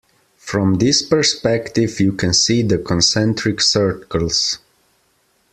From this perspective you can see the concentric circles.